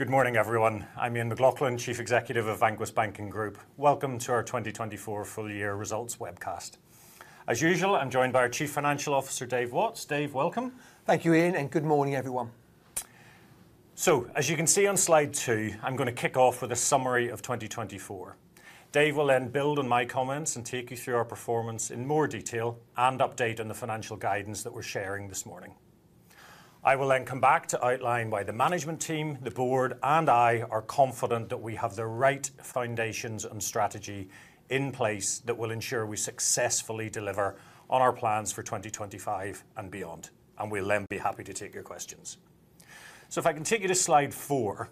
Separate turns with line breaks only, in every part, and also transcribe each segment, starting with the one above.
Good morning, everyone. I'm Ian McLaughlin, Chief Executive of Vanquis Banking Group. Welcome to our 2024 full-year results webcast. As usual, I'm joined by our Chief Financial Officer, Dave Watts. Dave, welcome.
Thank you, Ian, and good morning, everyone.
As you can see on slide two, I'm going to kick off with a summary of 2024. Dave will then build on my comments and take you through our performance in more detail and update on the financial guidance that we're sharing this morning. I will then come back to outline why the management team, the board, and I are confident that we have the right foundations and strategy in place that will ensure we successfully deliver on our plans for 2025 and beyond. We will then be happy to take your questions. If I can take you to slide four,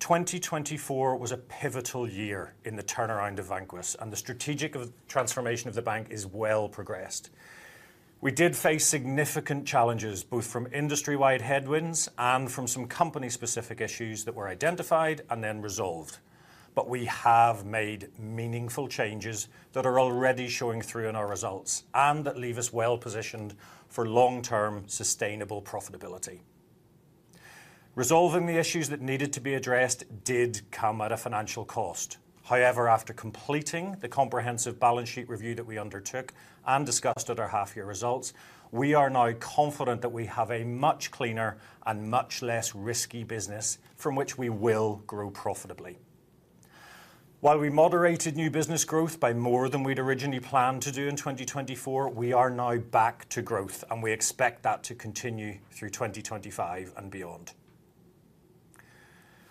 2024 was a pivotal year in the turnaround of Vanquis, and the strategic transformation of the bank is well progressed. We did face significant challenges, both from industry-wide headwinds and from some company-specific issues that were identified and then resolved. We have made meaningful changes that are already showing through in our results and that leave us well positioned for long-term sustainable profitability. Resolving the issues that needed to be addressed did come at a financial cost. However, after completing the comprehensive balance sheet review that we undertook and discussed at our half-year results, we are now confident that we have a much cleaner and much less risky business from which we will grow profitably. While we moderated new business growth by more than we'd originally planned to do in 2024, we are now back to growth, and we expect that to continue through 2025 and beyond.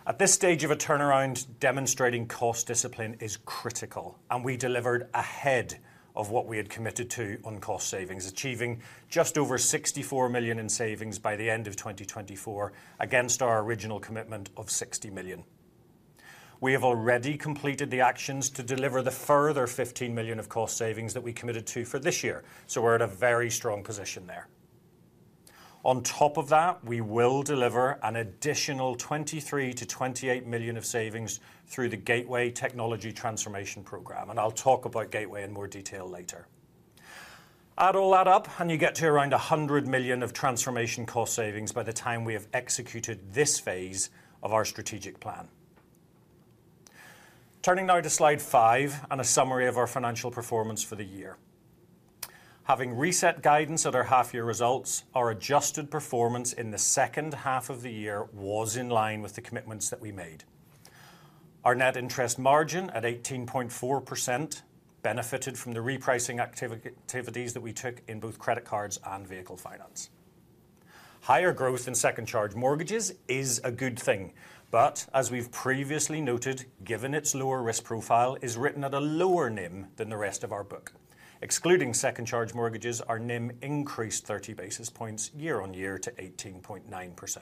At this stage of a turnaround, demonstrating cost discipline is critical, and we delivered ahead of what we had committed to on cost savings, achieving just over 64 million in savings by the end of 2024 against our original commitment of 60 million. We have already completed the actions to deliver the further 15 million of cost savings that we committed to for this year, so we're in a very strong position there. On top of that, we will deliver an additional 23-28 million of savings through the Gateway Technology Transformation Program, and I'll talk about Gateway in more detail later. Add all that up, and you get to around 100 million of transformation cost savings by the time we have executed this phase of our strategic plan. Turning now to slide five and a summary of our financial performance for the year. Having reset guidance at our half-year results, our adjusted performance in the second half of the year was in line with the commitments that we made. Our net interest margin at 18.4% benefited from the repricing activities that we took in both Credit Cards and Vehicle Finance. Higher growth in Second-Charge Mortgages is a good thing, but as we've previously noted, given its lower risk profile, is written at a lower NIM than the rest of our book. Excluding Second-Charge Mortgages, our NIM increased 30 basis points year on year to 18.9%.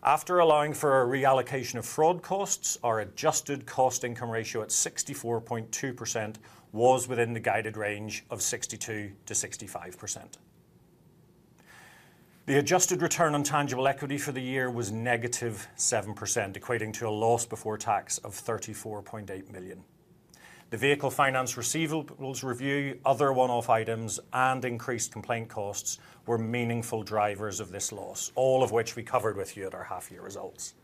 After allowing for a reallocation of fraud costs, our adjusted cost-income ratio at 64.2% was within the guided range of 62-65%. The adjusted return on tangible equity for the year was negative 7%, equating to a loss before tax of 34.8 million. The vehicle finance receivables review, other one-off items, and increased complaint costs were meaningful drivers of this loss, all of which we covered with you at our half-year results.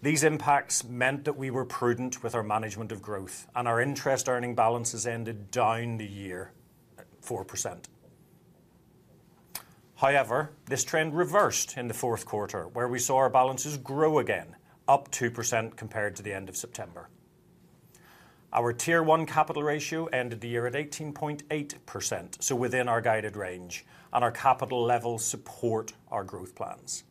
These impacts meant that we were prudent with our management of growth, and our interest earning balances ended down the year at 4%. However, this trend reversed in the fourth quarter, where we saw our balances grow again, up 2% compared to the end of September. Our Tier 1 Capital Ratio ended the year at 18.8%, so within our guided range, and our capital levels support our growth plans.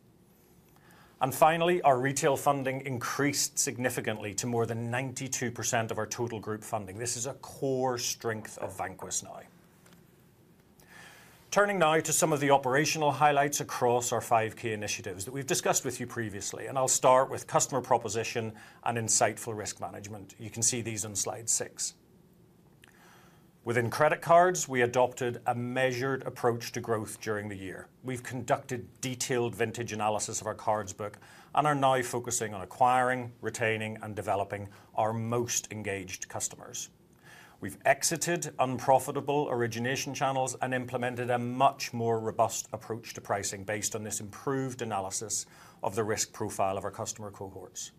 Finally, our retail funding increased significantly to more than 92% of our total group funding. This is a core strength of Vanquis now. Turning now to some of the operational highlights across our five key initiatives that we've discussed with you previously, and I'll start with customer proposition and insightful risk management. You can see these on slide six. Within Credit Cards, we adopted a measured approach to growth during the year. We've conducted detailed vintage analysis of our cards book and are now focusing on acquiring, retaining, and developing our most engaged customers. We've exited unprofitable origination channels and implemented a much more robust approach to pricing based on this improved analysis of the risk profile of our customer cohorts.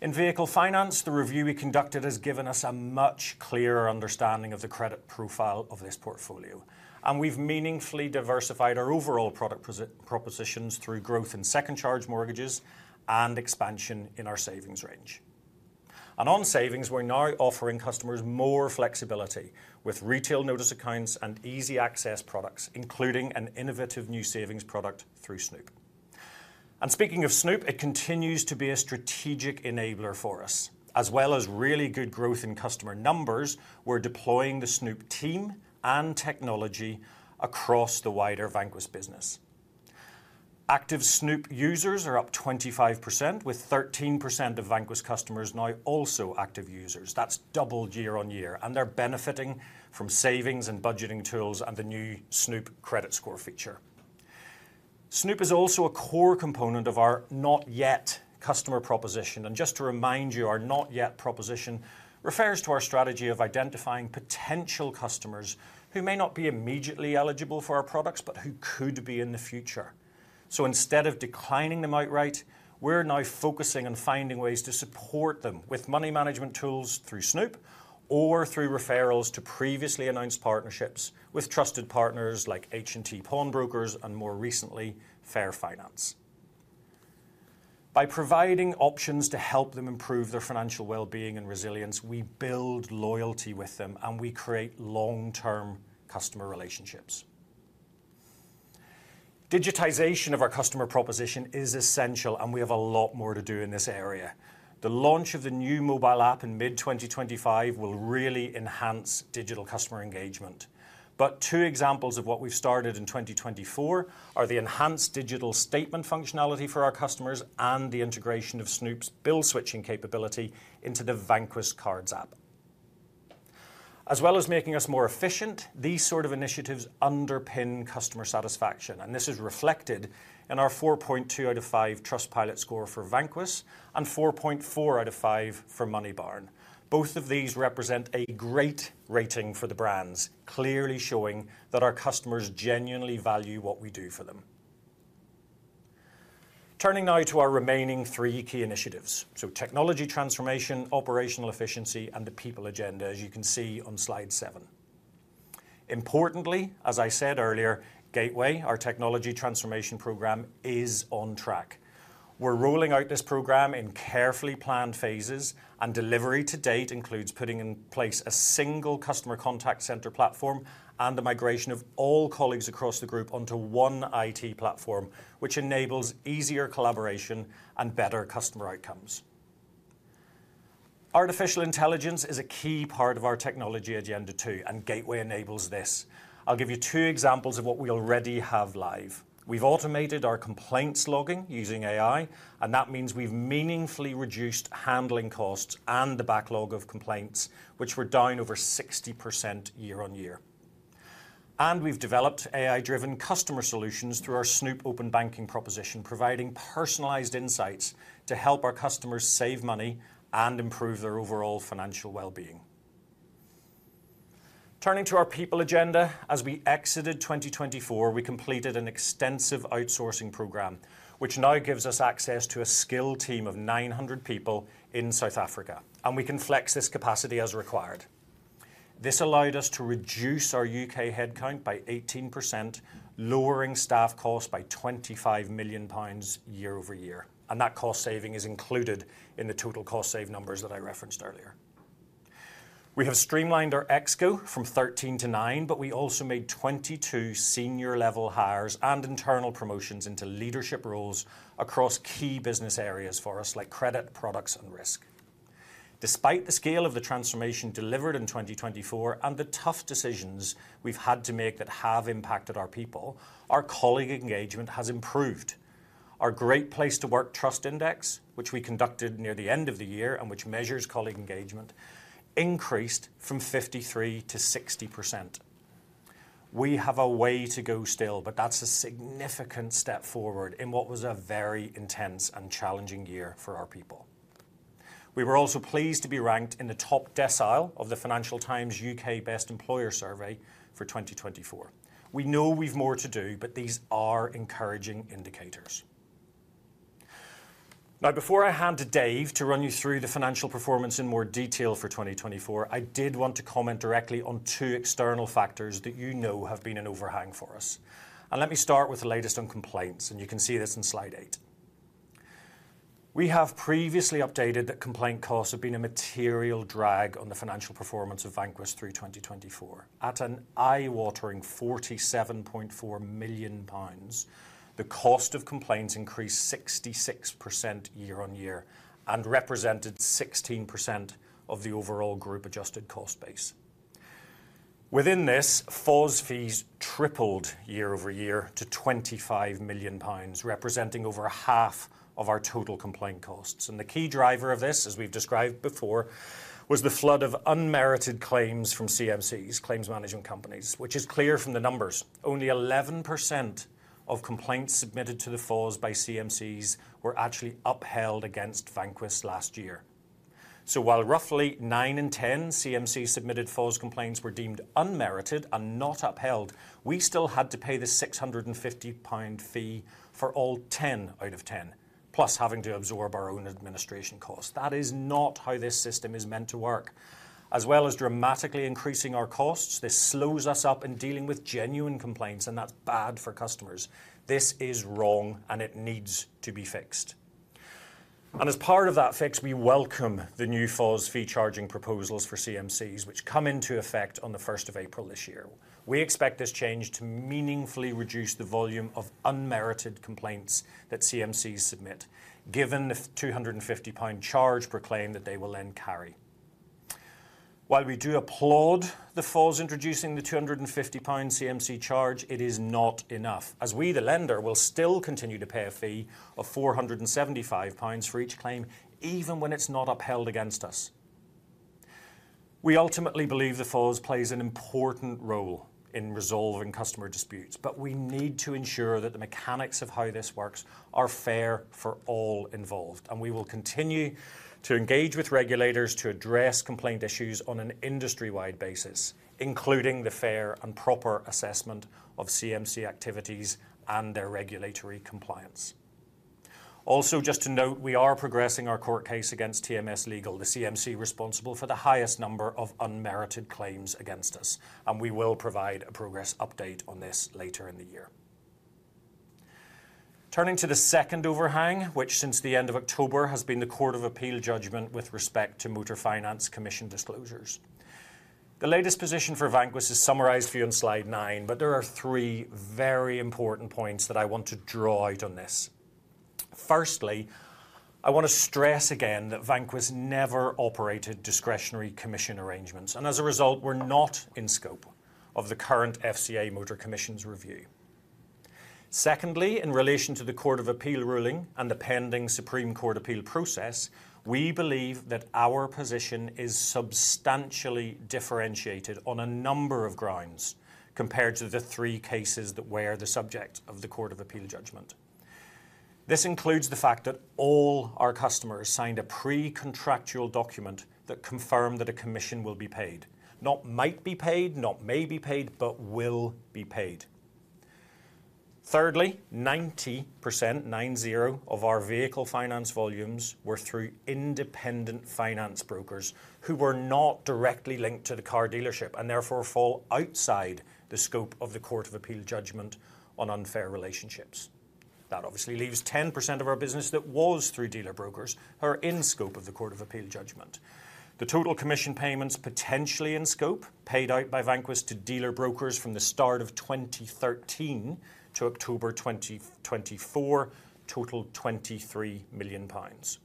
In Vehicle Finance, the review we conducted has given us a much clearer understanding of the credit profile of this portfolio, and we've meaningfully diversified our overall product propositions through growth in Second-Charge Mortgages and expansion in our savings range. On savings, we're now offering customers more flexibility with retail notice accounts and easy access products, including an innovative new savings product through Snoop. Speaking of Snoop, it continues to be a strategic enabler for us. As well as really good growth in customer numbers, we're deploying the Snoop team and technology across the wider Vanquis business. Active Snoop users are up 25%, with 13% of Vanquis customers now also active users. That's double year on year, and they're benefiting from savings and budgeting tools and the new Snoop credit score feature. Snoop is also a core component of our not-yet customer proposition. Just to remind you, our not-yet proposition refers to our strategy of identifying potential customers who may not be immediately eligible for our products, but who could be in the future. Instead of declining them outright, we're now focusing on finding ways to support them with money management tools through Snoop or through referrals to previously announced partnerships with trusted partners like H&T Pawnbrokers and more recently, Fair Finance. By providing options to help them improve their financial well-being and resilience, we build loyalty with them, and we create long-term customer relationships. Digitization of our customer proposition is essential, and we have a lot more to do in this area. The launch of the new mobile app in mid-2025 will really enhance digital customer engagement. Two examples of what we've started in 2024 are the enhanced digital statement functionality for our customers and the integration of Snoop's bill-switching capability into the Vanquis Cards app. As well as making us more efficient, these sort of initiatives underpin customer satisfaction, and this is reflected in our 4.2 out of 5 Trustpilot score for Vanquis and 4.4 out of 5 for Moneybarn. Both of these represent a great rating for the brands, clearly showing that our customers genuinely value what we do for them. Turning now to our remaining three key initiatives: technology transformation, operational efficiency, and the people agenda, as you can see on slide seven. Importantly, as I said earlier, Gateway, our technology transformation program, is on track. We're rolling out this program in carefully planned phases, and delivery to date includes putting in place a single customer contact center platform and the migration of all colleagues across the group onto one IT platform, which enables easier collaboration and better customer outcomes. Artificial intelligence is a key part of our technology agenda too, and Gateway enables this. I'll give you two examples of what we already have live. We've automated our complaints logging using AI, and that means we've meaningfully reduced handling costs and the backlog of complaints, which we're down over 60% year on year. We've developed AI-driven customer solutions through our Snoop Open Banking proposition, providing personalized insights to help our customers save money and improve their overall financial well-being. Turning to our people agenda, as we exited 2024, we completed an extensive outsourcing program, which now gives us access to a skilled team of 900 people in South Africa, and we can flex this capacity as required. This allowed us to reduce our U.K. headcount by 18%, lowering staff costs by 25 million pounds year over year. That cost saving is included in the total cost save numbers that I referenced earlier. We have streamlined our exco from 13 to 9, but we also made 22 senior-level hires and internal promotions into leadership roles across key business areas for us, like credit, products, and risk. Despite the scale of the transformation delivered in 2024 and the tough decisions we've had to make that have impacted our people, our colleague engagement has improved. Our Great Place to Work Trust Index, which we conducted near the end of the year and which measures colleague engagement, increased from 53% to 60%. We have a way to go still, but that's a significant step forward in what was a very intense and challenging year for our people. We were also pleased to be ranked in the top decile of the Financial Times UK Best Employer Survey for 2024. We know we've more to do, but these are encouraging indicators. Now, before I hand to Dave to run you through the financial performance in more detail for 2024, I did want to comment directly on two external factors that you know have been an overhang for us. Let me start with the latest on complaints, and you can see this in slide eight. We have previously updated that complaint costs have been a material drag on the financial performance of Vanquis through 2024. At an eye-watering 47.4 million pounds, the cost of complaints increased 66% year on year and represented 16% of the overall group adjusted cost base. Within this, FOS fees tripled year over year to 25 million pounds, representing over half of our total complaint costs. The key driver of this, as we've described before, was the flood of unmerited claims from CMCs, claims management companies, which is clear from the numbers. Only 11% of complaints submitted to the FOS by CMCs were actually upheld against Vanquis last year. While roughly nine in ten CMC-submitted FOS complaints were deemed unmerited and not upheld, we still had to pay the 650 pound fee for all ten out of ten, plus having to absorb our own administration costs. That is not how this system is meant to work. As well as dramatically increasing our costs, this slows us up in dealing with genuine complaints, and that's bad for customers. This is wrong, and it needs to be fixed. As part of that fix, we welcome the new FOS fee charging proposals for CMCs, which come into effect on the 1st of April this year. We expect this change to meaningfully reduce the volume of unmerited complaints that CMCs submit, given the 250 pound charge per claim that they will then carry. While we do applaud the FOS introducing the 250 pounds CMC charge, it is not enough, as we, the lender, will still continue to pay a fee of 475 pounds for each claim, even when it's not upheld against us. We ultimately believe the FOS plays an important role in resolving customer disputes, but we need to ensure that the mechanics of how this works are fair for all involved. We will continue to engage with regulators to address complaint issues on an industry-wide basis, including the fair and proper assessment of CMC activities and their regulatory compliance. Also, just to note, we are progressing our court case against TMS Legal, the CMC responsible for the highest number of unmerited claims against us, and we will provide a progress update on this later in the year. Turning to the second overhang, which since the end of October has been the Court of Appeal judgment with respect to Motor Finance Commission disclosures. The latest position for Vanquis is summarized for you on slide nine, but there are three very important points that I want to draw out on this. Firstly, I want to stress again that Vanquis never operated discretionary commission arrangements, and as a result, we're not in scope of the current FCA Motor Commission's review. Secondly, in relation to the Court of Appeal ruling and the pending Supreme Court appeal process, we believe that our position is substantially differentiated on a number of grounds compared to the three cases that were the subject of the Court of Appeal judgment. This includes the fact that all our customers signed a pre-contractual document that confirmed that a commission will be paid, not might be paid, not may be paid, but will be paid. Thirdly, 90%, nine-zero, of our vehicle finance volumes were through independent finance brokers who were not directly linked to the car dealership and therefore fall outside the scope of the Court of Appeal judgment on unfair relationships. That obviously leaves 10% of our business that was through dealer brokers who are in scope of the Court of Appeal judgment. The total commission payments potentially in scope paid out by Vanquis to dealer brokers from the start of 2013 to October 2024, totaled 23 million pounds.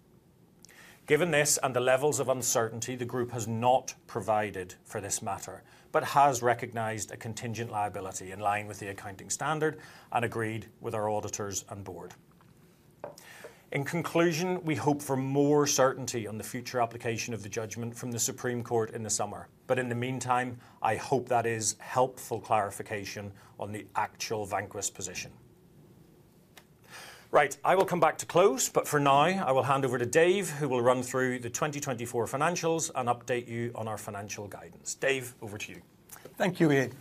Given this and the levels of uncertainty, the group has not provided for this matter, but has recognized a contingent liability in line with the accounting standard and agreed with our auditors and board. In conclusion, we hope for more certainty on the future application of the judgment from the Supreme Court in the summer, but in the meantime, I hope that is helpful clarification on the actual Vanquis position. Right, I will come back to close, but for now, I will hand over to Dave, who will run through the 2024 financials and update you on our financial guidance. Dave, over to you.
Thank you, Ian.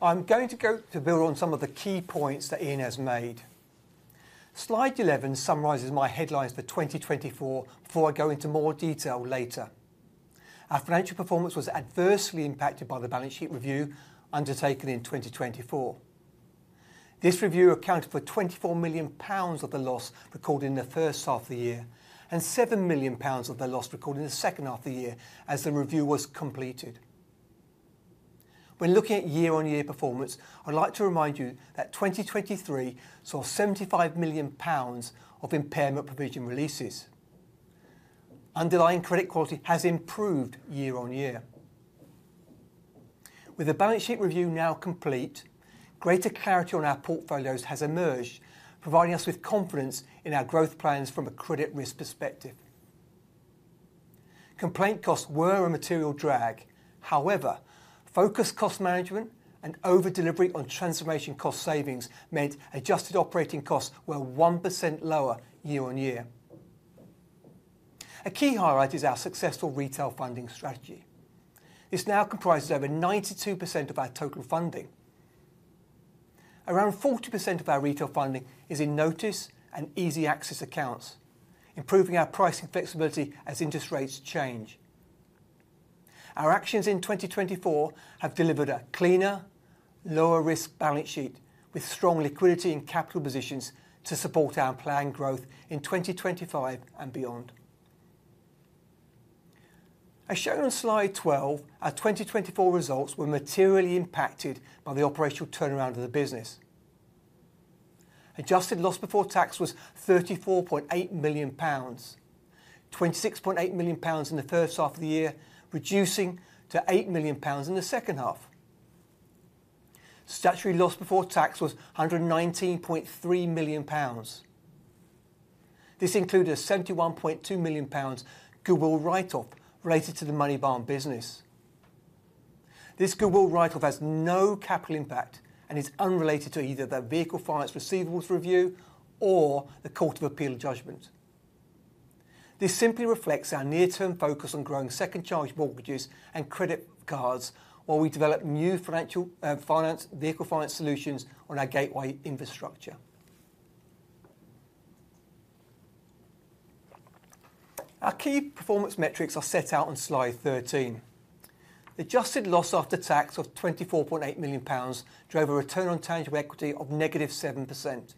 I'm going to go to build on some of the key points that Ian has made. Slide 11 summarizes my headlines for 2024 before I go into more detail later. Our financial performance was adversely impacted by the balance sheet review undertaken in 2024. This review accounted for 24 million pounds of the loss recorded in the first half of the year and 7 million pounds of the loss recorded in the second half of the year as the review was completed. When looking at year-on-year performance, I'd like to remind you that 2023 saw 75 million pounds of impairment provision releases. Underlying credit quality has improved year-on-year. With the balance sheet review now complete, greater clarity on our portfolios has emerged, providing us with confidence in our growth plans from a credit risk perspective. Complaint costs were a material drag. However, focused cost management and over-delivery on transformation cost savings meant adjusted operating costs were 1% lower year-on-year. A key highlight is our successful retail funding strategy. This now comprises over 92% of our total funding. Around 40% of our retail funding is in notice and easy access accounts, improving our pricing flexibility as interest rates change. Our actions in 2024 have delivered a cleaner, lower-risk balance sheet with strong liquidity and capital positions to support our planned growth in 2025 and beyond. As shown on slide 12, our 2024 results were materially impacted by the operational turnaround of the business. Adjusted loss before tax was 34.8 million pounds, 26.8 million pounds in the first half of the year, reducing to 8 million pounds in the second half. Statutory loss before tax was 119.3 million pounds. This included a 71.2 million pounds goodwill write-off related to the Moneybarn business. This goodwill write-off has no capital impact and is unrelated to either the vehicle finance receivables review or the Court of Appeal judgment. This simply reflects our near-term focus on growing second-charge mortgages and credit cards while we develop new Fair Finance vehicle finance solutions on our Gateway infrastructure. Our key performance metrics are set out on slide 13. The adjusted loss after tax of 24.8 million pounds drove a return on tangible equity of negative 7%.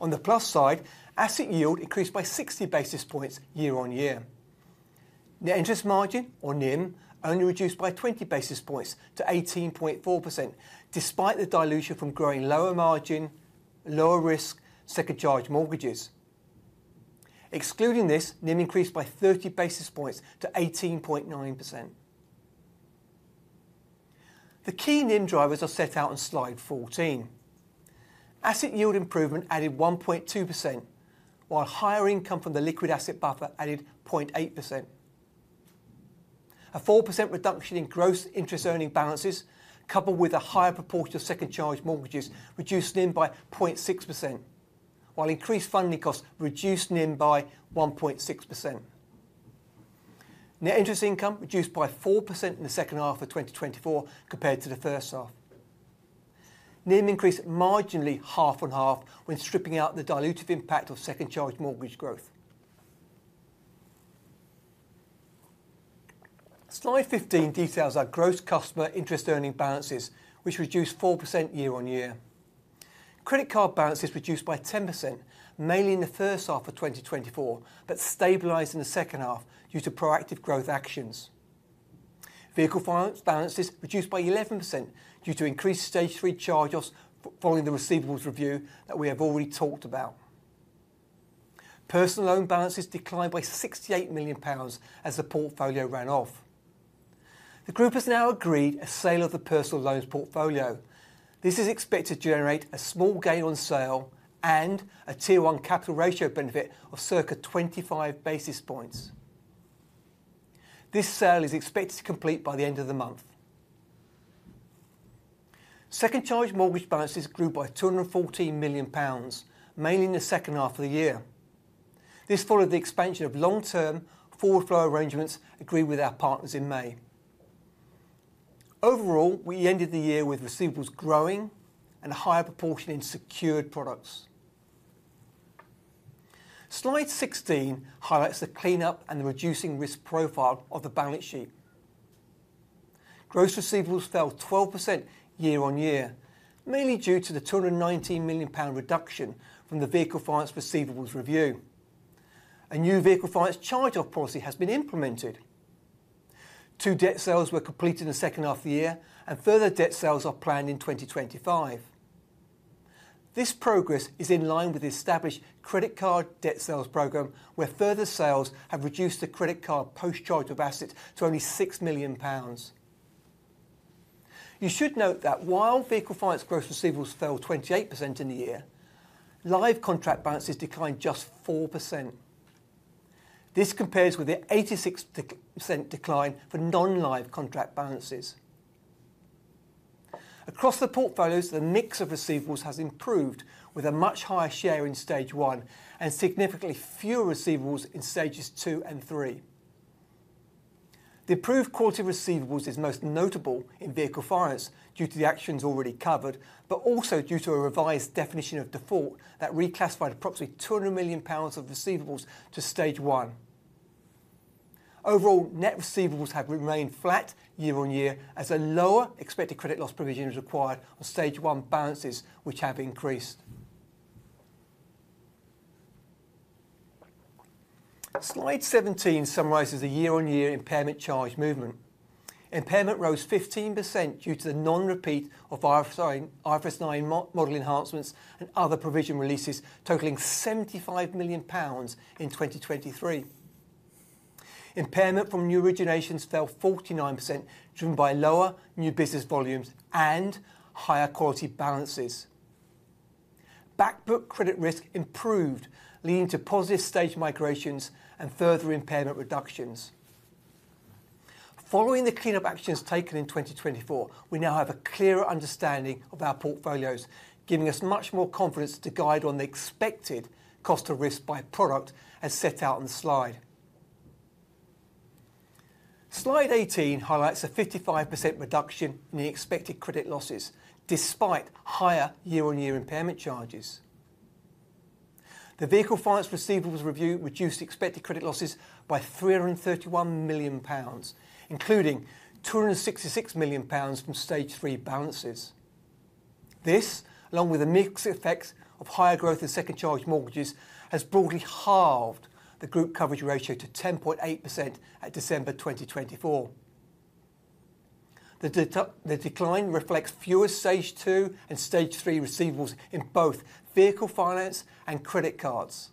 On the plus side, asset yield increased by 60 basis points year-on-year. The interest margin, or NIM, only reduced by 20 basis points to 18.4%, despite the dilution from growing lower margin, lower risk, second-charge mortgages. Excluding this, NIM increased by 30 basis points to 18.9%. The key NIM drivers are set out on slide 14. Asset yield improvement added 1.2%, while higher income from the liquid asset buffer added 0.8%. A 4% reduction in gross interest earning balances, coupled with a higher proportion of second-charge mortgages, reduced NIM by 0.6%, while increased funding costs reduced NIM by 1.6%. Net interest income reduced by 4% in the second half of 2024 compared to the first half. NIM increased marginally half and half when stripping out the dilutive impact of second-charge mortgage growth. Slide 15 details our gross customer interest earning balances, which reduced 4% year-on-year. Credit card balances reduced by 10%, mainly in the first half of 2024, but stabilized in the second half due to proactive growth actions. Vehicle finance balances reduced by 11% due to increased stage three charge-offs following the receivables review that we have already talked about. Personal loan balances declined by 68 million pounds as the portfolio ran off. The group has now agreed a sale of the personal loans portfolio. This is expected to generate a small gain on sale and a Tier 1 Capital Ratio benefit of circa 25 basis points. This sale is expected to complete by the end of the month. Second-Charge Mortgage balances grew by 214 million pounds, mainly in the second half of the year. This followed the expansion of long-term forward flow arrangements agreed with our partners in May. Overall, we ended the year with receivables growing and a higher proportion in secured products. Slide 16 highlights the cleanup and the reducing risk profile of the balance sheet. Gross receivables fell 12% year-on-year, mainly due to the 219 million pound reduction from the Vehicle Finance receivables review. A new Vehicle Finance charge-off policy has been implemented. Two debt sales were completed in the second half of the year, and further debt sales are planned in 2025. This progress is in line with the established credit card debt sales program, where further sales have reduced the credit card post-charge of assets to only 6 million pounds. You should note that while vehicle finance gross receivables fell 28% in the year, live contract balances declined just 4%. This compares with the 86% decline for non-live contract balances. Across the portfolios, the mix of receivables has improved, with a much higher share in stage one and significantly fewer receivables in stages two and three. The improved quality of receivables is most notable in vehicle finance due to the actions already covered, but also due to a revised definition of default that reclassified approximately 200 million pounds of receivables to stage one. Overall, net receivables have remained flat year-on-year as a lower expected credit loss provision is required on stage one balances, which have increased. Slide 17 summarizes the year-on-year impairment charge movement. Impairment rose 15% due to the non-repeat of IFRS 9 model enhancements and other provision releases totaling GBP 75 million in 2023. Impairment from new originations fell 49%, driven by lower new business volumes and higher quality balances. Backbook credit risk improved, leading to positive stage migrations and further impairment reductions. Following the cleanup actions taken in 2024, we now have a clearer understanding of our portfolios, giving us much more confidence to guide on the expected cost of risk by product as set out on the slide. Slide 18 highlights a 55% reduction in the expected credit losses, despite higher year-on-year impairment charges. The vehicle finance receivables review reduced expected credit losses by 331 million pounds, including 266 million pounds from stage three balances. This, along with the mixed effects of higher growth in second-charge mortgages, has broadly halved the group coverage ratio to 10.8% at December 2024. The decline reflects fewer stage two and stage three receivables in both vehicle finance and credit cards,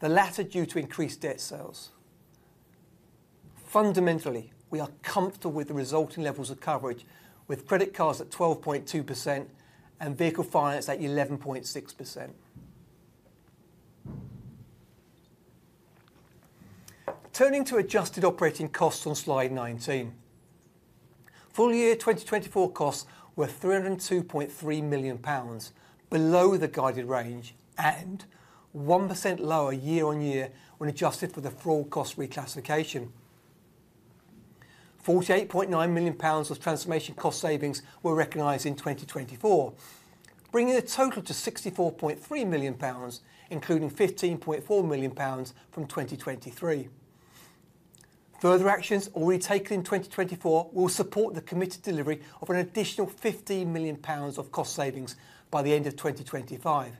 the latter due to increased debt sales. Fundamentally, we are comfortable with the resulting levels of coverage, with credit cards at 12.2% and vehicle finance at 11.6%. Turning to adjusted operating costs on slide 19. Full year 2024 costs were 302.3 million pounds, below the guided range and 1% lower year-on-year when adjusted for the fraud cost reclassification. 48.9 million pounds of transformation cost savings were recognized in 2024, bringing the total to GBP 64.3 million, including GBP 15.4 million from 2023. Further actions already taken in 2024 will support the committed delivery of an additional 15 million pounds of cost savings by the end of 2025.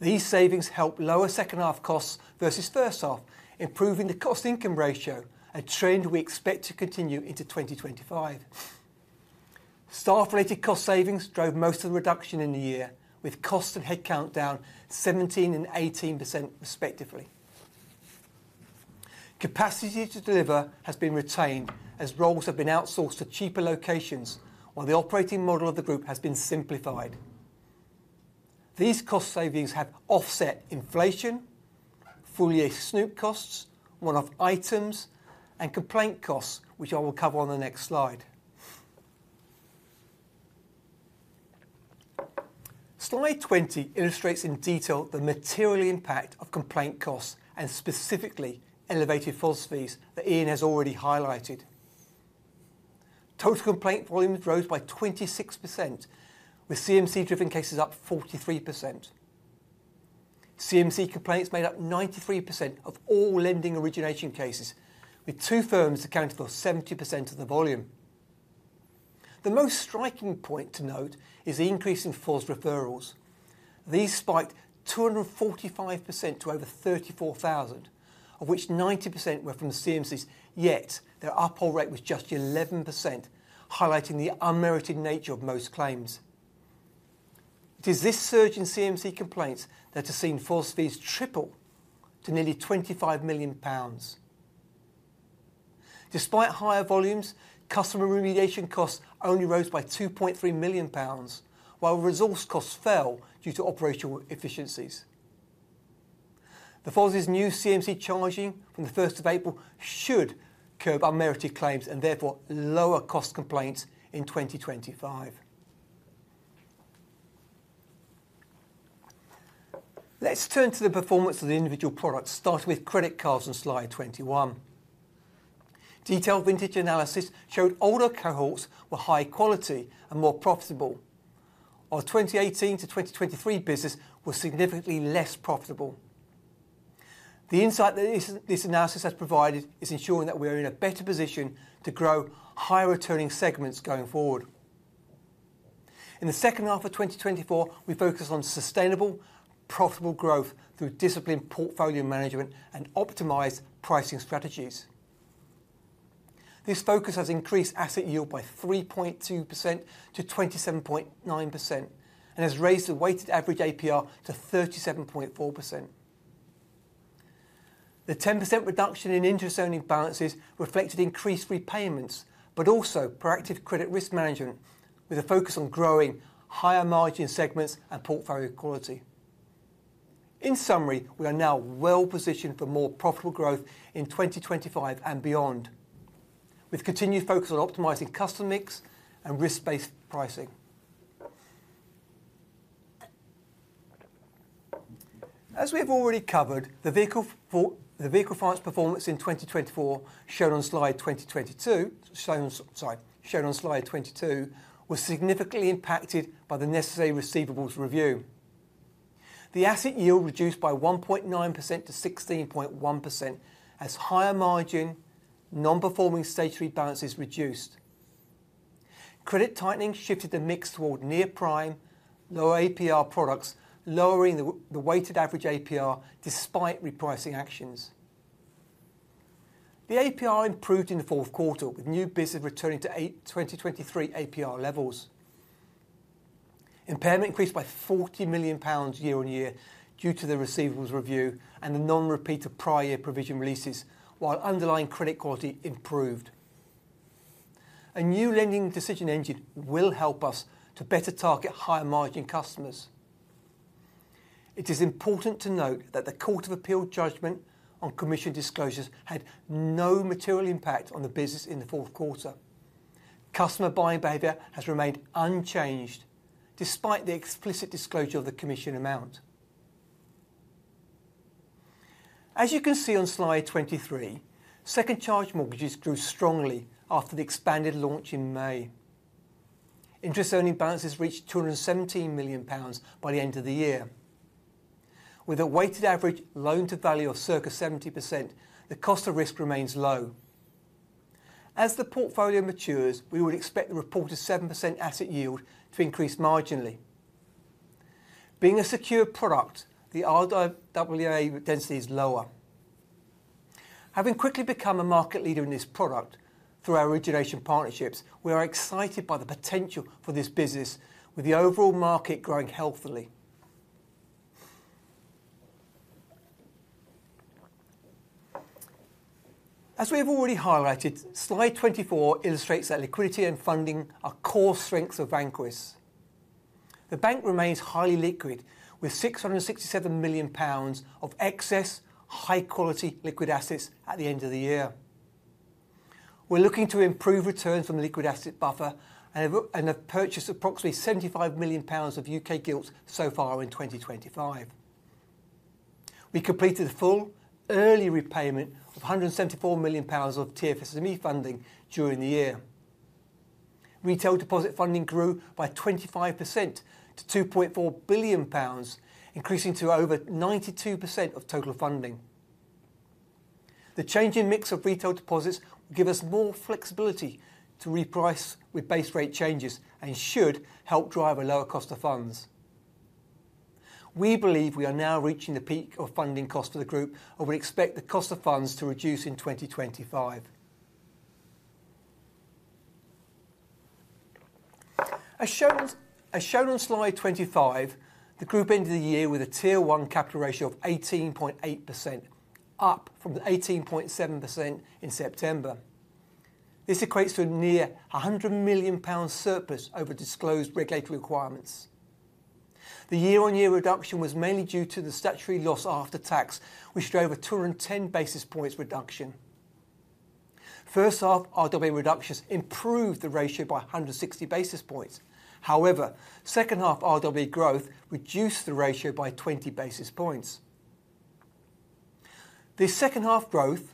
These savings help lower second half costs versus first half, improving the cost-income ratio, a trend we expect to continue into 2025. Staff-related cost savings drove most of the reduction in the year, with cost and headcount down 17% and 18%, respectively. Capacity to deliver has been retained as roles have been outsourced to cheaper locations, while the operating model of the group has been simplified. These cost savings have offset inflation, fully Snoop costs, one-off items, and complaint costs, which I will cover on the next slide. Slide 20 illustrates in detail the material impact of complaint costs and specifically elevated FOS fees that Ian has already highlighted. Total complaint volume rose by 26%, with CMC-driven cases up 43%. CMC complaints made up 93% of all lending origination cases, with two firms accounting for 70% of the volume. The most striking point to note is the increase in false referrals. These spiked 245% to over 34,000, of which 90% were from CMCs, yet their uphold rate was just 11%, highlighting the unmerited nature of most claims. It is this surge in CMC complaints that has seen false fees triple to nearly 25 million pounds. Despite higher volumes, customer remediation costs only rose by 2.3 million pounds, while resource costs fell due to operational efficiencies. The FOS's new CMC charging from the 1st of April should curb unmerited claims and therefore lower cost complaints in 2025. Let's turn to the performance of the individual products, starting with credit cards on slide 21. Detailed vintage analysis showed older cohorts were high quality and more profitable, while 2018 to 2023 business was significantly less profitable. The insight that this analysis has provided is ensuring that we are in a better position to grow higher returning segments going forward. In the second half of 2024, we focused on sustainable, profitable growth through disciplined portfolio management and optimized pricing strategies. This focus has increased asset yield by 3.2% to 27.9% and has raised the weighted average APR to 37.4%. The 10% reduction in interest earning balances reflected increased repayments, but also proactive credit risk management, with a focus on growing higher margin segments and portfolio quality. In summary, we are now well positioned for more profitable growth in 2025 and beyond, with continued focus on optimizing customer mix and risk-based pricing. As we have already covered, the vehicle finance performance in 2024, shown on slide 22, was significantly impacted by the necessary receivables review. The asset yield reduced by 1.9% to 16.1% as higher margin, non-performing stage three balances reduced. Credit tightening shifted the mix toward near prime, lower APR products, lowering the weighted average APR despite repricing actions. The APR improved in the fourth quarter, with new business returning to 2023 APR levels. Impairment increased by 40 million pounds year-on-year due to the receivables review and the non-repeat of prior year provision releases, while underlying credit quality improved. A new lending decision engine will help us to better target higher margin customers. It is important to note that the Court of Appeal judgment on commission disclosures had no material impact on the business in the fourth quarter. Customer buying behavior has remained unchanged despite the explicit disclosure of the commission amount. As you can see on slide 23, second-charge mortgages grew strongly after the expanded launch in May. Interest earning balances reached 217 million pounds by the end of the year. With a weighted average loan to value of circa 70%, the cost of risk remains low. As the portfolio matures, we would expect the reported 7% asset yield to increase marginally. Being a secure product, the RWA density is lower. Having quickly become a market leader in this product through our origination partnerships, we are excited by the potential for this business, with the overall market growing healthily. As we have already highlighted, slide 24 illustrates that liquidity and funding are core strengths of Vanquis. The bank remains highly liquid, with 667 million pounds of excess high-quality liquid assets at the end of the year. We're looking to improve returns from the liquid asset buffer and have purchased approximately 75 million pounds of U.K. gilts so far in 2025. We completed a full early repayment of 174 million pounds of TFSME funding during the year. Retail deposit funding grew by 25% to 2.4 billion pounds, increasing to over 92% of total funding. The changing mix of retail deposits will give us more flexibility to reprice with base rate changes and should help drive a lower cost of funds. We believe we are now reaching the peak of funding cost for the group, and we expect the cost of funds to reduce in 2025. As shown on slide 25, the group ended the year with a Tier 1 Capital Ratio of 18.8%, up from the 18.7% in September. This equates to a near 100 million pounds surplus over disclosed regulatory requirements. The year-on-year reduction was mainly due to the statutory loss after tax, which drove a 210 basis points reduction. First half RWA reductions improved the ratio by 160 basis points. However, second half RWA growth reduced the ratio by 20 basis points. This second half growth,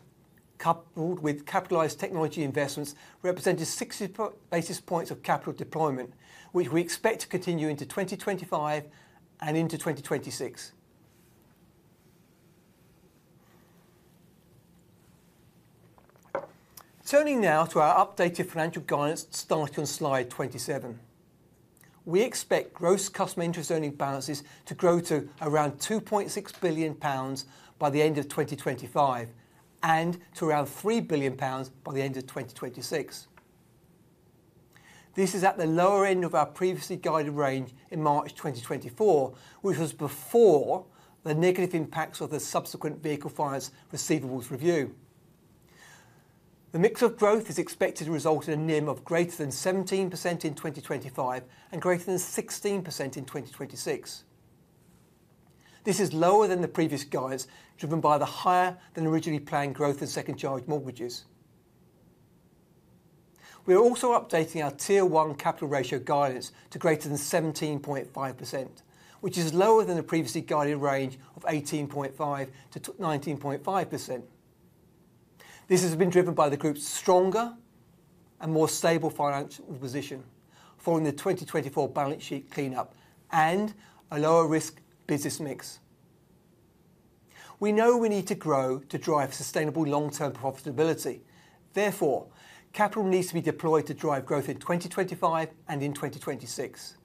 coupled with capitalized technology investments, represented 60 basis points of capital deployment, which we expect to continue into 2025 and into 2026. Turning now to our updated financial guidance starting on slide 27. We expect gross customer interest earning balances to grow to around 2.6 billion pounds by the end of 2025 and to around 3 billion pounds by the end of 2026. This is at the lower end of our previously guided range in March 2024, which was before the negative impacts of the subsequent vehicle finance receivables review. The mix of growth is expected to result in a NIM of greater than 17% in 2025 and greater than 16% in 2026. This is lower than the previous guidance, driven by the higher than originally planned growth in second-charge mortgages. We are also updating our Tier 1 Capital Ratio guidance to greater than 17.5%, which is lower than the previously guided range of 18.5%-19.5%. This has been driven by the group's stronger and more stable financial position following the 2024 balance sheet cleanup and a lower risk business mix. We know we need to grow to drive sustainable long-term profitability. Therefore, capital needs to be deployed to drive growth in 2025 and in 2026.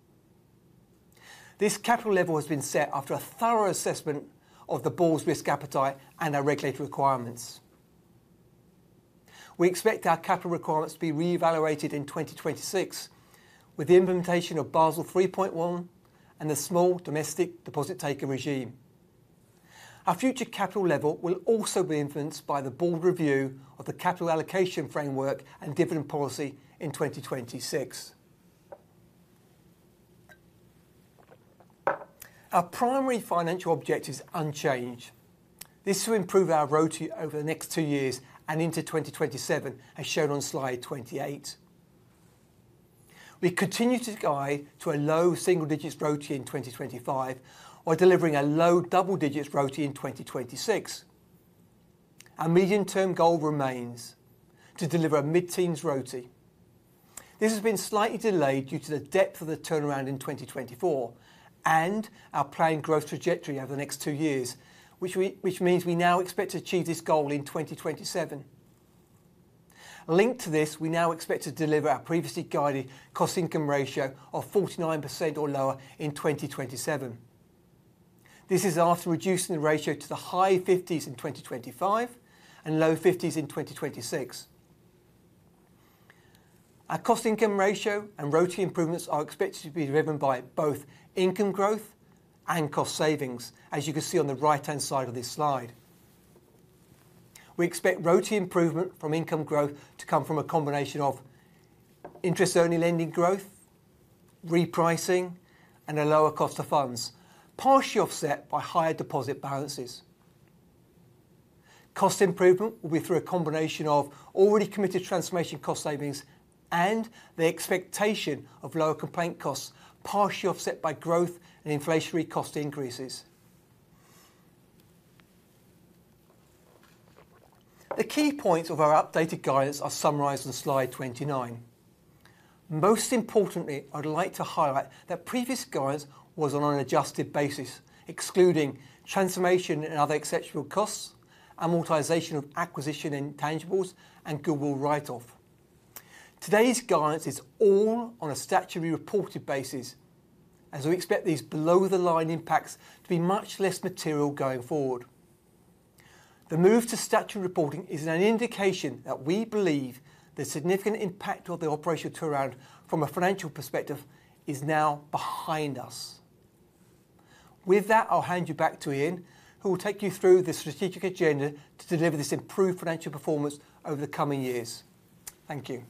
This capital level has been set after a thorough assessment of the board's risk appetite and our regulatory requirements. We expect our capital requirements to be reevaluated in 2026 with the implementation of Basel 3.1 and the Small Domestic Deposit Taker Regime. Our future capital level will also be influenced by the board review of the capital allocation framework and dividend policy in 2026. Our primary financial objective is unchanged. This will improve our ROTE over the next two years and into 2027, as shown on slide 28. We continue to guide to a low single digit ROTE in 2025 while delivering a low double digit ROTE in 2026. Our medium term goal remains to deliver a mid-teens ROTE. This has been slightly delayed due to the depth of the turnaround in 2024 and our planned growth trajectory over the next two years, which means we now expect to achieve this goal in 2027. Linked to this, we now expect to deliver our previously guided cost-income ratio of 49% or lower in 2027. This is after reducing the ratio to the high 50s in 2025 and low 50s in 2026. Our cost-income ratio and ROTE improvements are expected to be driven by both income growth and cost savings, as you can see on the right-hand side of this slide. We expect ROTE improvement from income growth to come from a combination of interest-only lending growth, repricing, and a lower cost of funds, partially offset by higher deposit balances. Cost improvement will be through a combination of already committed transformation cost savings and the expectation of lower complaint costs, partially offset by growth and inflationary cost increases. The key points of our updated guidance are summarized on slide 29. Most importantly, I'd like to highlight that previous guidance was on an adjusted basis, excluding transformation and other exceptional costs, amortization of acquisition intangibles, and goodwill write-off. Today's guidance is all on a statutory reported basis, as we expect these below-the-line impacts to be much less material going forward. The move to statutory reporting is an indication that we believe the significant impact of the operational turnaround from a financial perspective is now behind us. With that, I'll hand you back to Ian, who will take you through the strategic agenda to deliver this improved financial performance over the coming years. Thank you.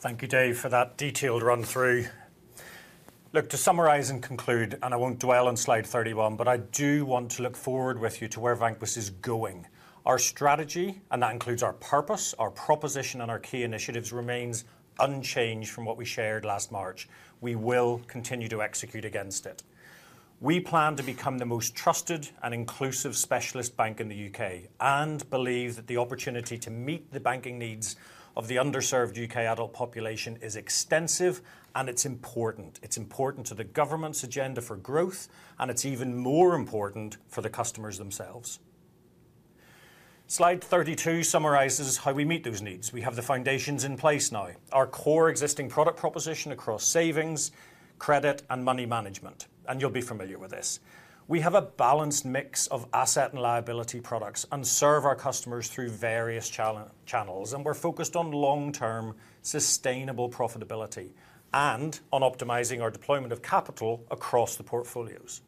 Thank you, Dave, for that detailed run-through. Look, to summarize and conclude, and I won't dwell on slide 31, but I do want to look forward with you to where Vanquis is going. Our strategy, and that includes our purpose, our proposition, and our key initiatives, remains unchanged from what we shared last March. We will continue to execute against it. We plan to become the most trusted and inclusive specialist bank in the U.K. and believe that the opportunity to meet the banking needs of the underserved U.K. adult population is extensive, and it's important. It's important to the government's agenda for growth, and it's even more important for the customers themselves. Slide 32 summarizes how we meet those needs. We have the foundations in place now. Our core existing product proposition across savings, credit, and money management, and you'll be familiar with this. We have a balanced mix of asset and liability products and serve our customers through various channels, and we're focused on long-term sustainable profitability and on optimizing our deployment of capital across the portfolios.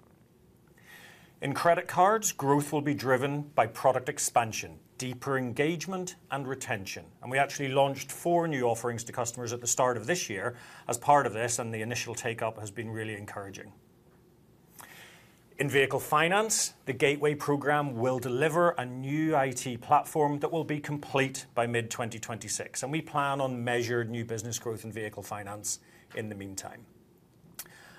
In credit cards, growth will be driven by product expansion, deeper engagement, and retention, and we actually launched four new offerings to customers at the start of this year as part of this, and the initial take-up has been really encouraging. In vehicle finance, the Gateway program will deliver a new IT platform that will be complete by mid-2026, and we plan on measured new business growth in vehicle finance in the meantime.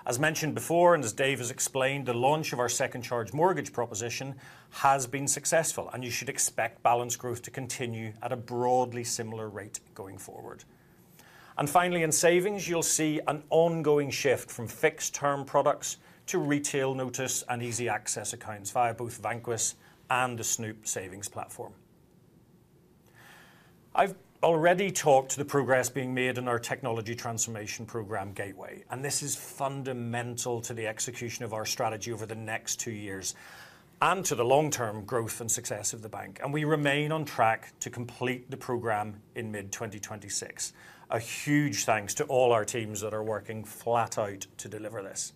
As mentioned before, and as Dave has explained, the launch of our second-charge mortgage proposition has been successful, and you should expect balance growth to continue at a broadly similar rate going forward. Finally, in savings, you'll see an ongoing shift from fixed-term products to retail notice and easy access accounts via both Vanquis and the Snoop savings platform. I've already talked to the progress being made in our technology transformation program Gateway, and this is fundamental to the execution of our strategy over the next two years and to the long-term growth and success of the bank, and we remain on track to complete the program in mid-2026. A huge thanks to all our teams that are working flat out to deliver this.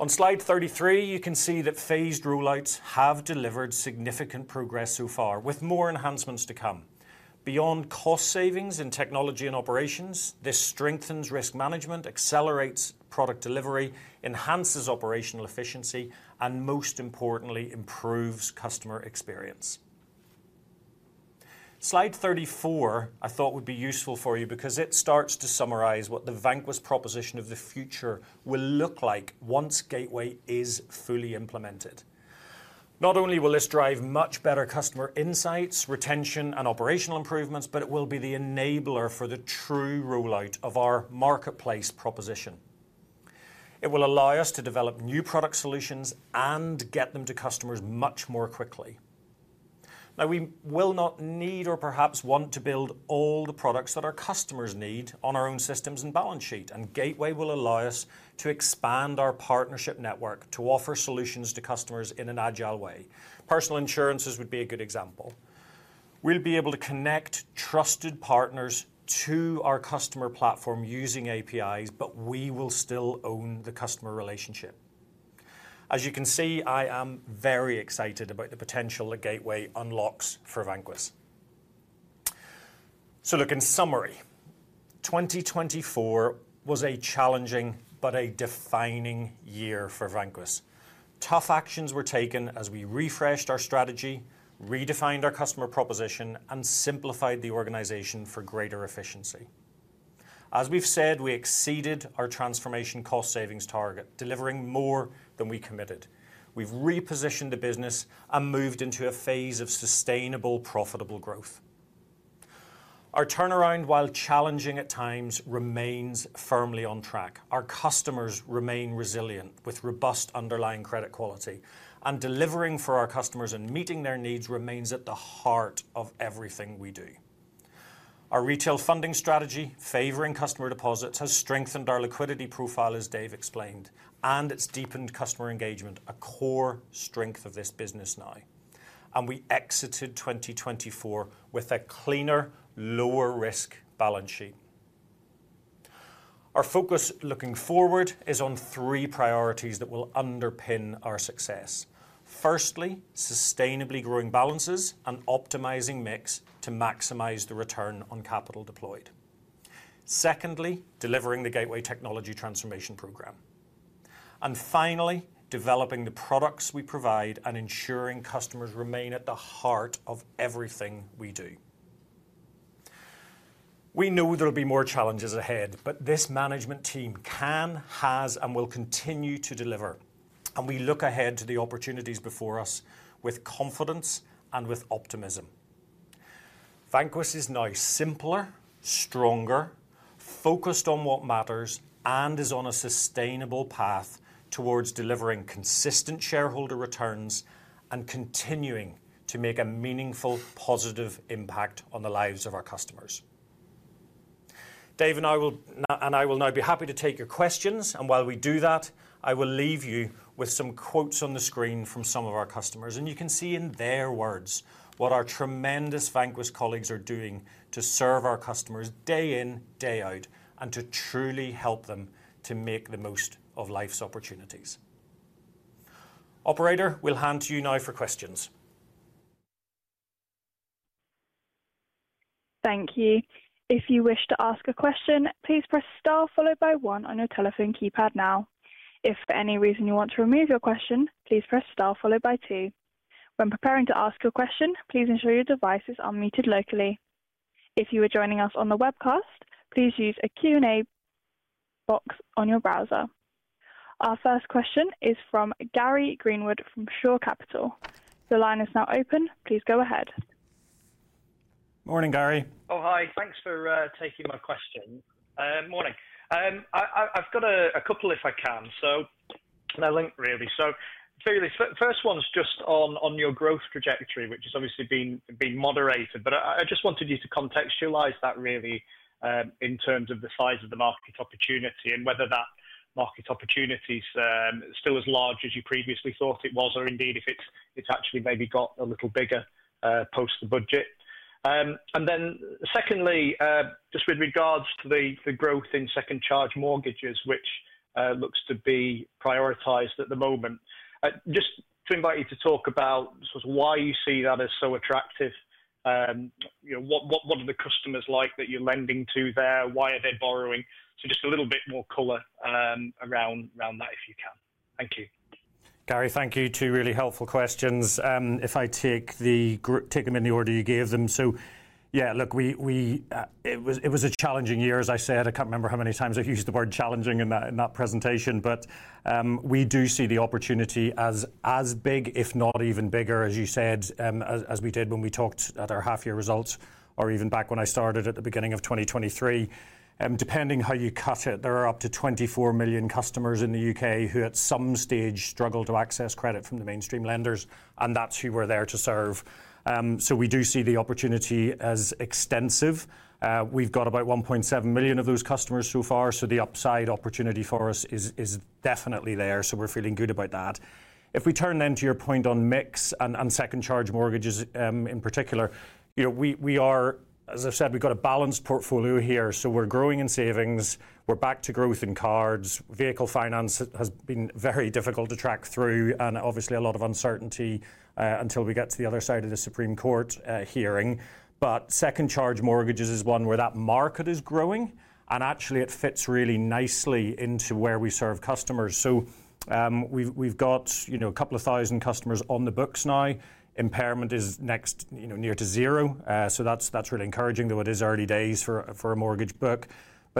On slide 33, you can see that phased rollouts have delivered significant progress so far, with more enhancements to come. Beyond cost savings in technology and operations, this strengthens risk management, accelerates product delivery, enhances operational efficiency, and most importantly, improves customer experience. Slide 34, I thought, would be useful for you because it starts to summarize what the Vanquis proposition of the future will look like once Gateway is fully implemented. Not only will this drive much better customer insights, retention, and operational improvements, but it will be the enabler for the true rollout of our marketplace proposition. It will allow us to develop new product solutions and get them to customers much more quickly. Now, we will not need or perhaps want to build all the products that our customers need on our own systems and balance sheet, and Gateway will allow us to expand our partnership network to offer solutions to customers in an agile way. Personal insurances would be a good example. We'll be able to connect trusted partners to our customer platform using APIs, but we will still own the customer relationship. As you can see, I am very excited about the potential that Gateway unlocks for Vanquis. Look, in summary, 2024 was a challenging but a defining year for Vanquis. Tough actions were taken as we refreshed our strategy, redefined our customer proposition, and simplified the organization for greater efficiency. As we've said, we exceeded our transformation cost savings target, delivering more than we committed. We've repositioned the business and moved into a phase of sustainable profitable growth. Our turnaround, while challenging at times, remains firmly on track. Our customers remain resilient with robust underlying credit quality, and delivering for our customers and meeting their needs remains at the heart of everything we do. Our retail funding strategy, favoring customer deposits, has strengthened our liquidity profile, as Dave explained, and it has deepened customer engagement, a core strength of this business now. We exited 2024 with a cleaner, lower risk balance sheet. Our focus looking forward is on three priorities that will underpin our success. Firstly, sustainably growing balances and optimizing mix to maximize the return on capital deployed. Secondly, delivering the Gateway technology transformation program. Finally, developing the products we provide and ensuring customers remain at the heart of everything we do. We know there will be more challenges ahead, but this management team can, has, and will continue to deliver, and we look ahead to the opportunities before us with confidence and with optimism. Vanquis is now simpler, stronger, focused on what matters, and is on a sustainable path towards delivering consistent shareholder returns and continuing to make a meaningful, positive impact on the lives of our customers. Dave and I will now be happy to take your questions, and while we do that, I will leave you with some quotes on the screen from some of our customers, and you can see in their words what our tremendous Vanquis colleagues are doing to serve our customers day in, day out, and to truly help them to make the most of life's opportunities. Operator, we'll hand to you now for questions.
Thank you. If you wish to ask a question, please press Star followed by One on your telephone keypad now. If for any reason you want to remove your question, please press Star followed by Two. When preparing to ask your question, please ensure your device is unmuted locally. If you are joining us on the webcast, please use a Q&A box on your browser. Our first question is from Gary Greenwood from Shore Capital. The line is now open. Please go ahead.
Morning, Gary.
Oh, hi. Thanks for taking my question. Morning. I've got a couple if I can. Really. First one's just on your growth trajectory, which has obviously been moderated, but I just wanted you to contextualize that really in terms of the size of the market opportunity and whether that market opportunity is still as large as you previously thought it was, or indeed if it's actually maybe got a little bigger post the budget. Secondly, just with regards to the growth in second charge mortgages, which looks to be prioritized at the moment, just to invite you to talk about why you see that as so attractive, what are the customers like that you're lending to there, why are they borrowing, so just a little bit more color around that if you can. Thank you.
Gary, thank you. Two really helpful questions. If I take them in the order you gave them, yeah, look, it was a challenging year, as I said. I can't remember how many times I've used the word challenging in that presentation, but we do see the opportunity as big, if not even bigger, as you said, as we did when we talked at our half-year results, or even back when I started at the beginning of 2023. Depending how you cut it, there are up to 24 million customers in the U.K. who at some stage struggled to access credit from the mainstream lenders, and that's who we're there to serve. We do see the opportunity as extensive. We've got about 1.7 million of those customers so far, so the upside opportunity for us is definitely there, so we're feeling good about that. If we turn then to your point on mix and second charge mortgages in particular, as I've said, we've got a balanced portfolio here, so we're growing in savings, we're back to growth in cards, vehicle finance has been very difficult to track through, and obviously a lot of uncertainty until we get to the other side of the Supreme Court hearing. Second charge mortgages is one where that market is growing, and actually it fits really nicely into where we serve customers. We've got a couple of thousand customers on the books now. Impairment is near to zero, so that's really encouraging though it is early days for a mortgage book.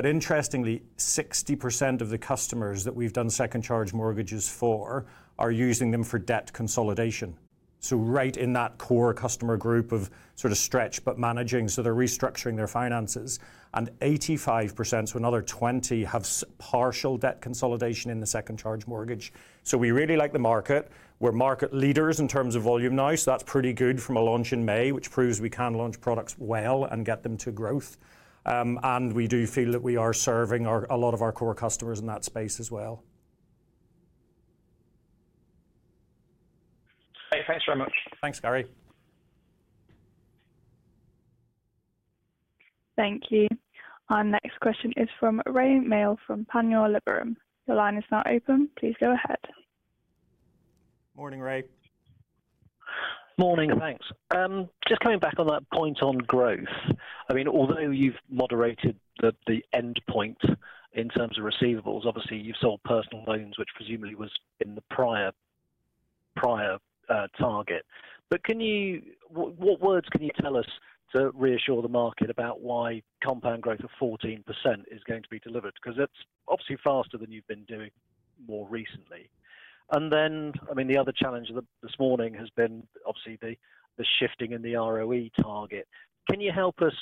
Interestingly, 60% of the customers that we've done second charge mortgages for are using them for debt consolidation. Right in that core customer group of sort of stretch but managing, so they're restructuring their finances, and 85%, so another 20, have partial debt consolidation in the second charge mortgage. We really like the market. We're market leaders in terms of volume now, so that's pretty good from a launch in May, which proves we can launch products well and get them to growth. We do feel that we are serving a lot of our core customers in that space as well.
Thanks very much.
Thanks, Gary.
Thank you. Our next question is from Rae Maile from Panmure Liberum. Your line is now open. Please go ahead.
Morning, Rae.
Morning, thanks. Just coming back on that point on growth. I mean, although you've moderated the end point in terms of receivables, obviously you've sold personal loans, which presumably was in the prior target. What words can you tell us to reassure the market about why compound growth of 14% is going to be delivered? Because that's obviously faster than you've been doing more recently. I mean, the other challenge this morning has been obviously the shifting in the ROE target. Can you help us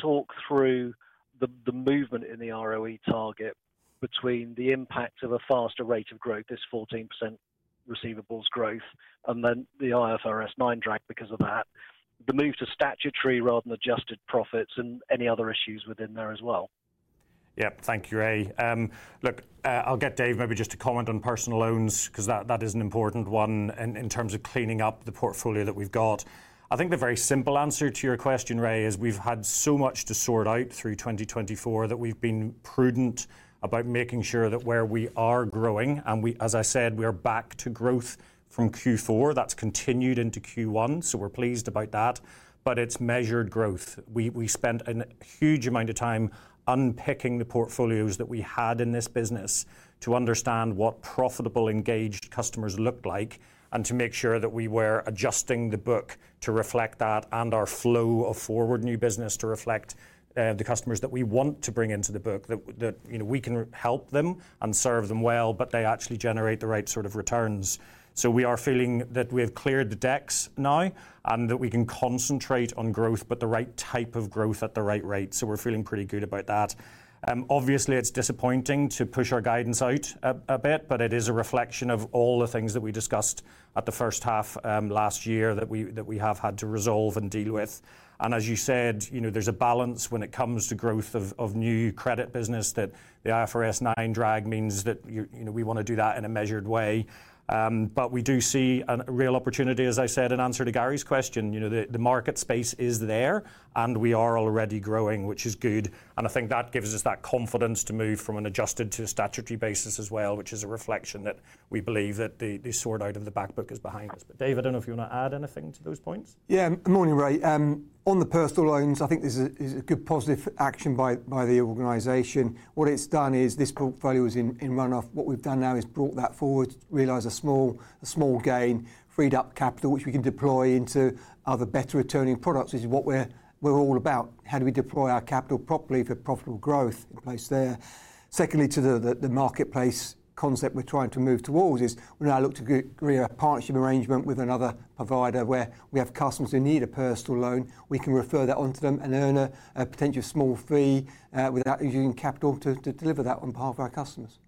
talk through the movement in the ROE target between the impact of a faster rate of growth, this 14% receivables growth, and then the IFRS 9 drag because of that, the move to statutory rather than adjusted profits, and any other issues within there as well?
Yep, thank you, Rae. Look, I'll get Dave maybe just to comment on personal loans because that is an important one in terms of cleaning up the portfolio that we've got. I think the very simple answer to your question, Rae, is we've had so much to sort out through 2024 that we've been prudent about making sure that where we are growing, and as I said, we are back to growth from Q4. That has continued into Q1, so we're pleased about that, but it is measured growth. We spent a huge amount of time unpicking the portfolios that we had in this business to understand what profitable engaged customers looked like, and to make sure that we were adjusting the book to reflect that and our flow of forward new business to reflect the customers that we want to bring into the book, that we can help them and serve them well, but they actually generate the right sort of returns. We are feeling that we have cleared the decks now and that we can concentrate on growth, but the right type of growth at the right rate. We are feeling pretty good about that. Obviously, it is disappointing to push our guidance out a bit, but it is a reflection of all the things that we discussed at the first half last year that we have had to resolve and deal with. As you said, there is a balance when it comes to growth of new credit business that the IFRS 9 drag means that we want to do that in a measured way. We do see a real opportunity, as I said, in answer to Gary's question. The market space is there, and we are already growing, which is good. I think that gives us that confidence to move from an adjusted to a statutory basis as well, which is a reflection that we believe that the sort out of the back book is behind us. Dave, I do not know if you want to add anything to those points.
Yeah, morning, Rae. On the personal loans, I think this is a good positive action by the organization. What it has done is this portfolio is in runoff. What we have done now is brought that forward, realized a small gain, freed up capital, which we can deploy into other better attorney products, which is what we are all about. How do we deploy our capital properly for profitable growth in place there? Secondly, to the marketplace concept we're trying to move towards is we're now looking to create a partnership arrangement with another provider where we have customers who need a personal loan. We can refer that on to them and earn a potential small fee without using capital to deliver that on behalf of our customers.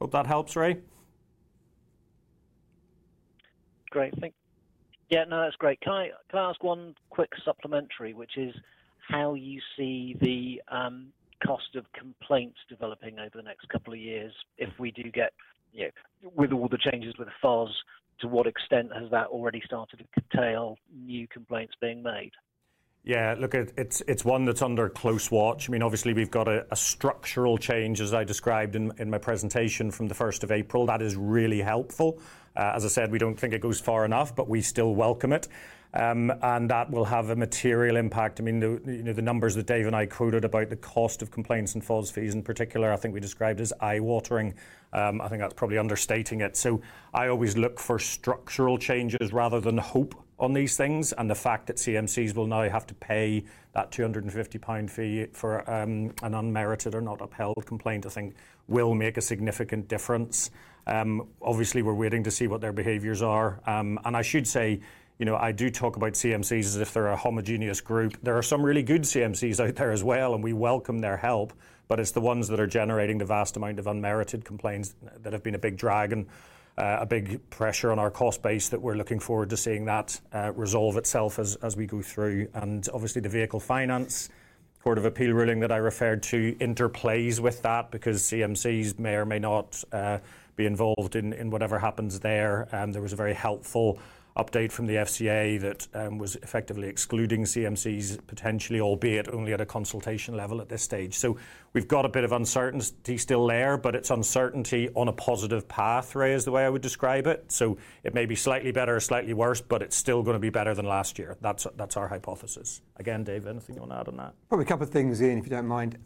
Hope that helps, Rae.
Great. Yeah, no, that's great. Can I ask one quick supplementary, which is how you see the cost of complaints developing over the next couple of years if we do get, with all the changes with the FOS, to what extent has that already started to curtail new complaints being made?
Yeah, look, it's one that's under close watch. I mean, obviously we've got a structural change, as I described in my presentation from the 1st of April. That is really helpful. As I said, we do not think it goes far enough, but we still welcome it. That will have a material impact. I mean, the numbers that Dave and I quoted about the cost of complaints and FOS fees in particular, I think we described as eye-watering. I think that is probably understating it. I always look for structural changes rather than hope on these things. The fact that CMCs will now have to pay that 250 pound fee for an unmerited or not upheld complaint, I think will make a significant difference. Obviously, we are waiting to see what their behaviors are. I should say, I do talk about CMCs as if they are a homogeneous group. There are some really good CMCs out there as well, and we welcome their help, but it's the ones that are generating the vast amount of unmerited complaints that have been a big drag and a big pressure on our cost base that we're looking forward to seeing that resolve itself as we go through. Obviously, the vehicle finance court of appeal ruling that I referred to interplays with that because CMCs may or may not be involved in whatever happens there. There was a very helpful update from the FCA that was effectively excluding CMCs potentially, albeit only at a consultation level at this stage. We have a bit of uncertainty still there, but it's uncertainty on a positive path, Rae, is the way I would describe it. It may be slightly better or slightly worse, but it's still going to be better than last year. That's our hypothesis. Again, Dave, anything you want to add on that?
Probably a couple of things here, if you don't mind.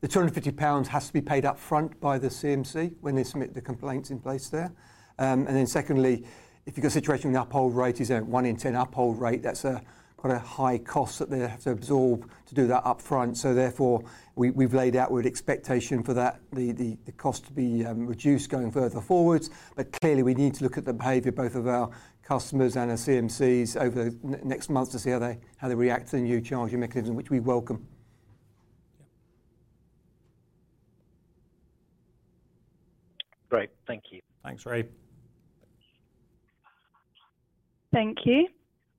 The 250 pounds has to be paid upfront by the CMC when they submit the complaints in place there. And then secondly, if you've got a situation with an uphold rate, it's a one in ten uphold rate. That's quite a high cost that they have to absorb to do that upfront. So therefore, we've laid out with expectation for that the cost to be reduced going further forwards. But clearly, we need to look at the behavior both of our customers and our CMCs over the next months to see how they react to the new charging mechanism, which we welcome.
Great. Thank you.
Thanks, Rae.
Thank you.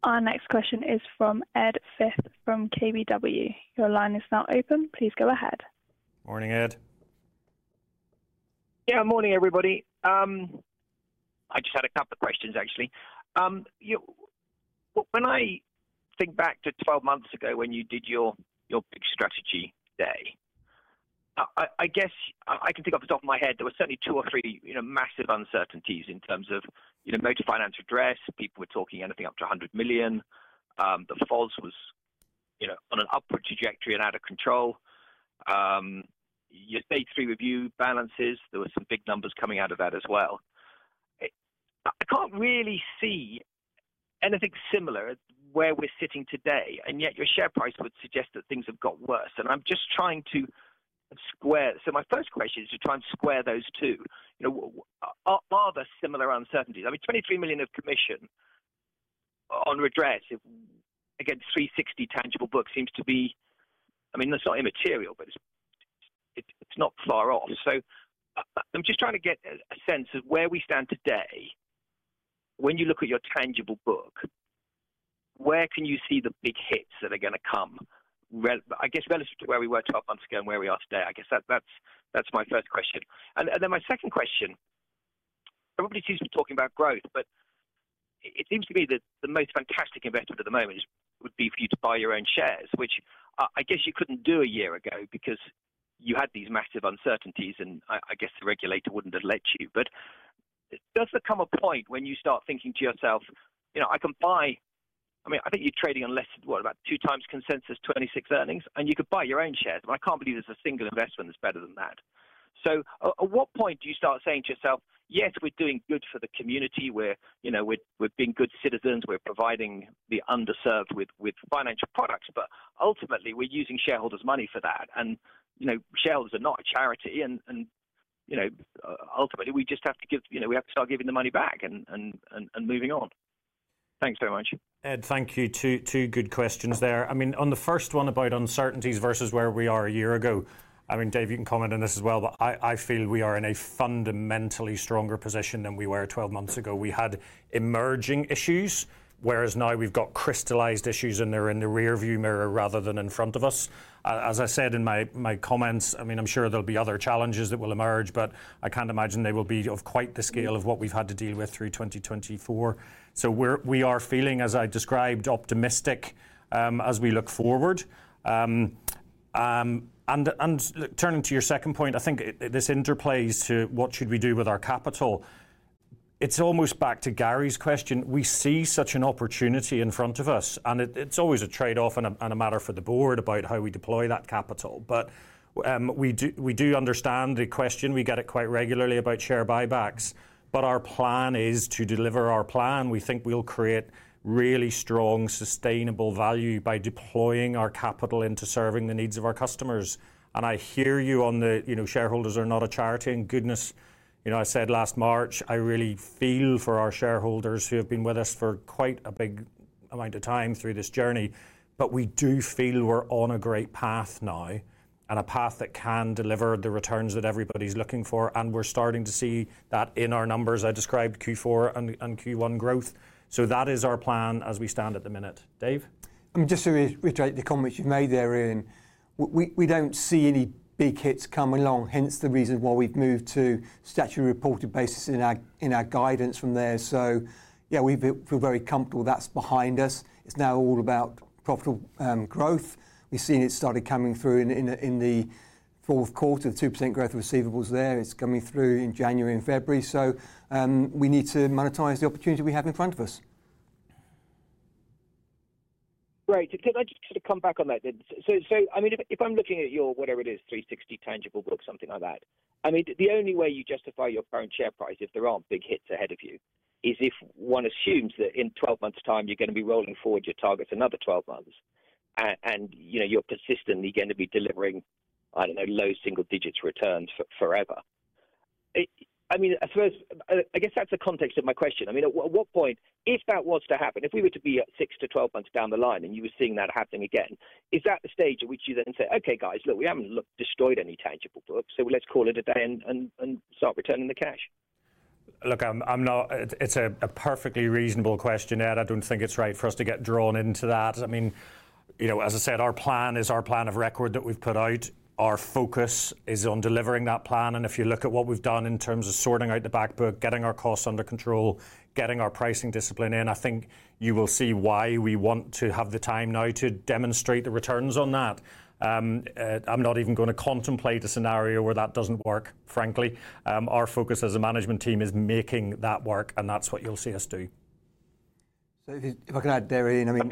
Our next question is from Ed Firth from KBW. Your line is now open. Please go ahead.
Morning, Ed.
Yeah, morning, everybody. I just had a couple of questions, actually. When I think back to 12 months ago when you did your big strategy day, I guess I can think off the top of my head there were certainly two or three massive uncertainties in terms of motor finance address. People were talking anything up to 100 million. The FOS was on an upward trajectory and out of control. Your stage three review balances, there were some big numbers coming out of that as well. I can't really see anything similar where we're sitting today, and yet your share price would suggest that things have got worse. I'm just trying to square it. My first question is to try and square those two. Are there similar uncertainties? I mean, 23 million of commission on redress against 360 million tangible book seems to be, I mean, that's not immaterial, but it's not far off. I'm just trying to get a sense of where we stand today. When you look at your tangible book, where can you see the big hits that are going to come, I guess, relative to where we were 12 months ago and where we are today? I guess that's my first question. My second question, everybody seems to be talking about growth, but it seems to me that the most fantastic investment at the moment would be for you to buy your own shares, which I guess you couldn't do a year ago because you had these massive uncertainties, and I guess the regulator wouldn't have let you. Does there come a point when you start thinking to yourself, "I can buy," I mean, I think you're trading on less than, what, about two times consensus 2026 earnings, and you could buy your own shares. I can't believe there's a single investment that's better than that. At what point do you start saying to yourself, "Yes, we're doing good for the community. We're being good citizens. We're providing the underserved with financial products, but ultimately we're using shareholders' money for that. Shareholders are not a charity. Ultimately we just have to give, we have to start giving the money back and moving on." Thanks very much.
Ed, thank you. Two good questions there. I mean, on the first one about uncertainties versus where we are a year ago, I mean, Dave, you can comment on this as well, but I feel we are in a fundamentally stronger position than we were 12 months ago. We had emerging issues, whereas now we've got crystallised issues and they're in the rearview mirror rather than in front of us. As I said in my comments, I mean, I'm sure there'll be other challenges that will emerge, but I can't imagine they will be of quite the scale of what we've had to deal with through 2024. We are feeling, as I described, optimistic as we look forward. Turning to your second point, I think this interplays to what should we do with our capital. It's almost back to Gary's question. We see such an opportunity in front of us, and it's always a trade-off and a matter for the board about how we deploy that capital. We do understand the question. We get it quite regularly about share buybacks, but our plan is to deliver our plan. We think we'll create really strong, sustainable value by deploying our capital into serving the needs of our customers. I hear you on the shareholders are not a charity. Goodness, I said last March, I really feel for our shareholders who have been with us for quite a big amount of time through this journey. We do feel we're on a great path now and a path that can deliver the returns that everybody's looking for. We're starting to see that in our numbers I described, Q4 and Q1 growth. That is our plan as we stand at the minute. Dave?
I mean, just to reiterate the comment you've made there, Ian, we don't see any big hits coming along, hence the reason why we've moved to statutory reported basis in our guidance from there. Yeah, we feel very comfortable that's behind us. It's now all about profitable growth. We've seen it started coming through in the fourth quarter, the 2% growth of receivables there. It's coming through in January and February. We need to monetize the opportunity we have in front of us.
Right. Can I just sort of come back on that? I mean, if I'm looking at your, whatever it is, 360 tangible book, something like that, I mean, the only way you justify your current share price, if there aren't big hits ahead of you, is if one assumes that in 12 months' time you're going to be rolling forward your targets another 12 months and you're consistently going to be delivering, I don't know, low single digits returns forever. I mean, I suppose I guess that's the context of my question. I mean, at what point, if that was to happen, if we were to be at 6-12 months down the line and you were seeing that happening again, is that the stage at which you then say, "Okay, guys, look, we haven't destroyed any tangible books, so let's call it a day and start returning the cash"?
Look, it's a perfectly reasonable question, Ed. I don't think it's right for us to get drawn into that. I mean, as I said, our plan is our plan of record that we've put out. Our focus is on delivering that plan. If you look at what we've done in terms of sorting out the back book, getting our costs under control, getting our pricing discipline in, I think you will see why we want to have the time now to demonstrate the returns on that. I'm not even going to contemplate a scenario where that doesn't work, frankly. Our focus as a management team is making that work, and that's what you'll see us do.
If I can add there in, I mean,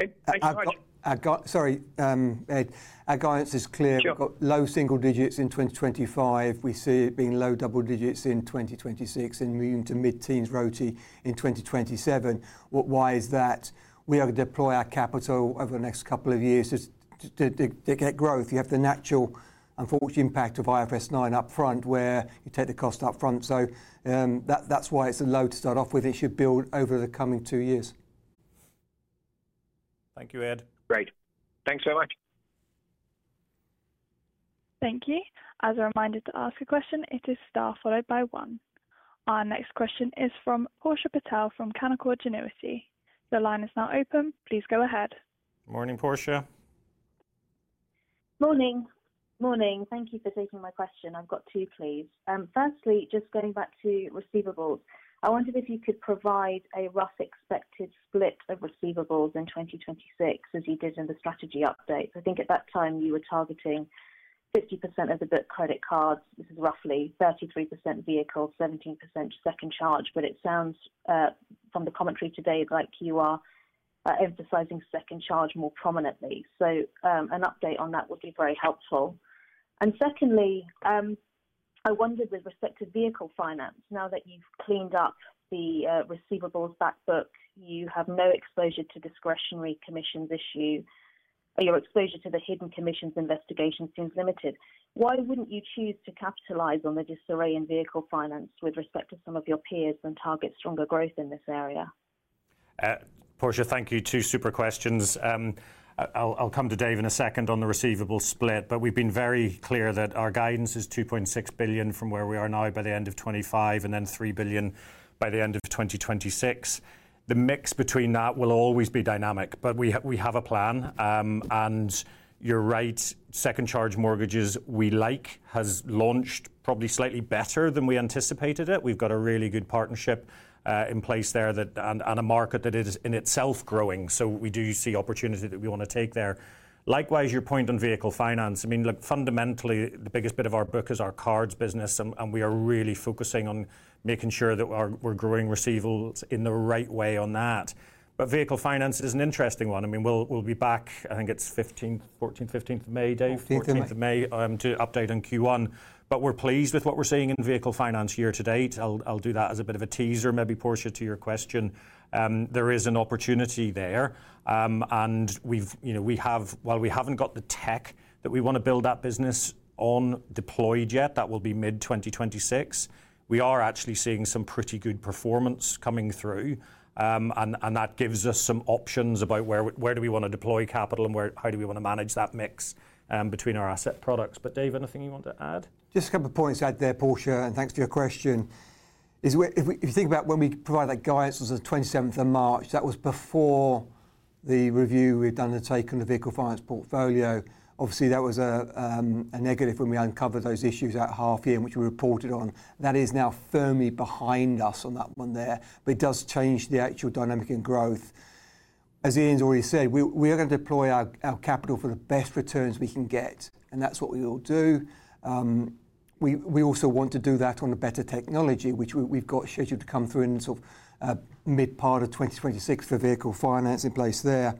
sorry, our guidance is clear. We've got low single digits in 2025. We see it being low double digits in 2026 and moving to mid-teens ROTE in 2027. Why is that? We are going to deploy our capital over the next couple of years to get growth. You have the natural, unfortunate impact of IFRS 9 upfront where you take the cost upfront. That is why it is a low to start off with. It should build over the coming two years.
Thank you, Ed.
Great. Thanks so much.
Thank you. As a reminder to ask a question, it is star followed by one. Our next question is from Portia Patel from Canaccord Genuity. The line is now open. Please go ahead.
Morning, Portia.
Morning. Morning. Thank you for taking my question. I have got two, please. Firstly, just going back to receivables, I wondered if you could provide a rough expected split of receivables in 2026 as you did in the strategy update. I think at that time you were targeting 50% of the book credit cards. This is roughly 33% vehicle, 17% second charge. It sounds from the commentary today like you are emphasizing second charge more prominently. An update on that would be very helpful. Secondly, I wondered with respect to vehicle finance, now that you've cleaned up the receivables backbook, you have no exposure to discretionary commissions issue. Your exposure to the hidden commissions investigation seems limited. Why wouldn't you choose to capitalize on the disarray in vehicle finance with respect to some of your peers and target stronger growth in this area?
Portia, thank you. Two super questions. I'll come to Dave in a second on the receivable split, but we've been very clear that our guidance is 2.6 billion from where we are now by the end of 2025 and then 3 billion by the end of 2026. The mix between that will always be dynamic, but we have a plan. You're right, second charge mortgages we like has launched probably slightly better than we anticipated it. We've got a really good partnership in place there and a market that is in itself growing. We do see opportunity that we want to take there. Likewise, your point on vehicle finance, I mean, look, fundamentally, the biggest bit of our book is our cards business, and we are really focusing on making sure that we're growing receivables in the right way on that. Vehicle finance is an interesting one. I mean, we'll be back, I think it's 14th, 15th of May, Dave, 14th of May to update on Q1. We're pleased with what we're seeing in vehicle finance year to date. I'll do that as a bit of a teaser, maybe, Portia, to your question. There is an opportunity there. We have, while we have not got the tech that we want to build that business on deployed yet, that will be mid-2026. We are actually seeing some pretty good performance coming through, and that gives us some options about where do we want to deploy capital and how do we want to manage that mix between our asset products. Dave, anything you want to add?
Just a couple of points out there, Portia, and thanks for your question. If you think about when we provide that guidance on the 27th of March, that was before the review we have done and taken the vehicle finance portfolio. Obviously, that was a negative when we uncovered those issues at half year in which we reported on. That is now firmly behind us on that one there, but it does change the actual dynamic in growth. As Ian's already said, we are going to deploy our capital for the best returns we can get, and that's what we will do. We also want to do that on a better technology, which we've got scheduled to come through in sort of mid-part of 2026 for vehicle finance in place there.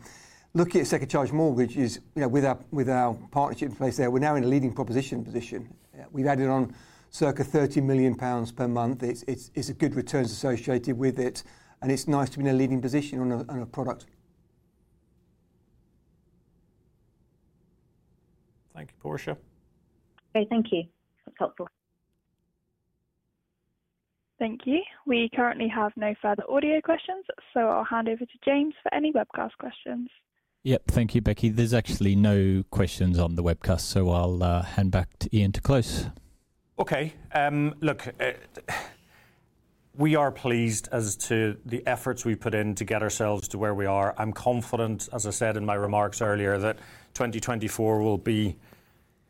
Looking at second charge mortgages with our partnership in place there, we're now in a leading proposition position. We've added on circa 30 million pounds per month. It's a good returns associated with it, and it's nice to be in a leading position on a product.
Thank you, Portia.
Okay, thank you. That's helpful.
Thank you. We currently have no further audio questions, so I'll hand over to James for any webcast questions.
Yep, thank you, Becky. There's actually no questions on the webcast, so I'll hand back to Ian to close. Okay.
Look, we are pleased as to the efforts we've put in to get ourselves to where we are. I'm confident, as I said in my remarks earlier, that 2024 will be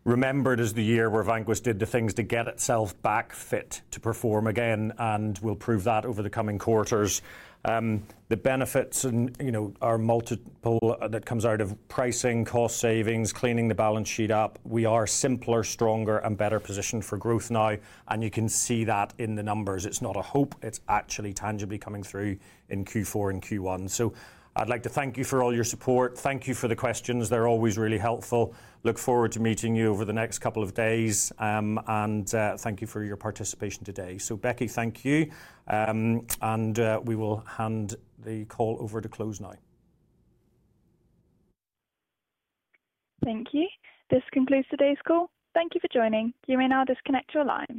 remembered as the year where Vanquis did the things to get itself back fit to perform again and will prove that over the coming quarters. The benefits are multiple that come out of pricing, cost savings, cleaning the balance sheet up. We are simpler, stronger, and better positioned for growth now, and you can see that in the numbers. It's not a hoax. It's actually tangibly coming through in Q4 and Q1. I'd like to thank you for all your support. Thank you for the questions. They're always really helpful. I look forward to meeting you over the next couple of days, and thank you for your participation today. Becky, thank you. We will hand the call over to close now.
Thank you. This concludes today's call. Thank you for joining. You may now disconnect your line.